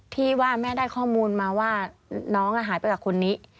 ที่ว่าแม่ได้ข้อมูลมาว่าน้องหายไปกับคนนี้